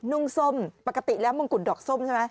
นุ่งส้มปกติแล้วมงกุฎดอกส้มใช่ไหม